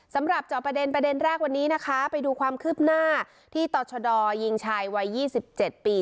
สำหรับเจาะประเด็นประเด็นแรกวันนี้นะคะไปดูความคืบหน้าที่ตอดชดออยิงชายวัยยี่สิบเจ็ดปี